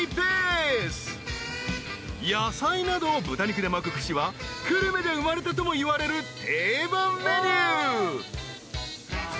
［野菜などを豚肉で巻く串は久留米で生まれたともいわれる定番メニュー］